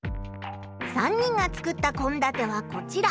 ３人が作ったこんだてはこちら。